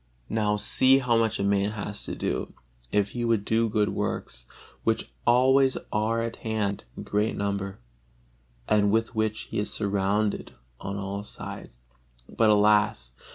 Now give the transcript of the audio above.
Now see how much a man has to do, if he would do good works, which always are at hand in great number, and with which he is surrounded on all sides; but, alas!